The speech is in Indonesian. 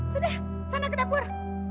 sudah sana ke dapur